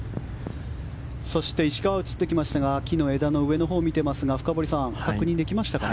そして石川が映ってきましたが木の枝の上のほうを見ていますが深堀さん、確認できましたか？